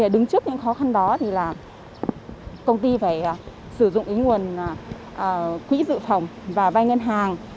đứng trước những khó khăn đó thì là công ty phải sử dụng nguồn quỹ dự phòng và vay ngân hàng